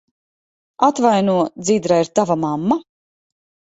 Atvaino, Dzidra ir tava mamma?